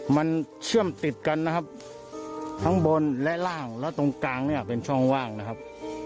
มันเชื่อมติดกันนะครับทั้งบนและล่างและตรงกลางเนี่ยเป็นช่องว่างนะครับ